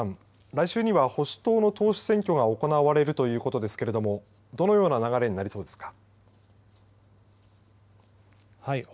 来週には保守党の党首選挙が行われるということですけどもどのような流れになりそうですか。